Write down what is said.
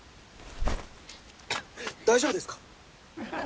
大丈夫ですか？